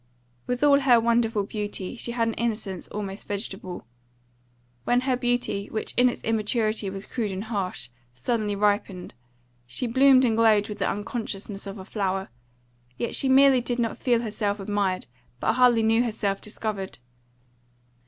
With all her wonderful beauty, she had an innocence almost vegetable. When her beauty, which in its immaturity was crude and harsh, suddenly ripened, she bloomed and glowed with the unconsciousness of a flower; she not merely did not feel herself admired, but hardly knew herself discovered.